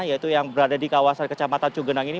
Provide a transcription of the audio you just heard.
yaitu yang berada di kawasan kecamatan cugenang ini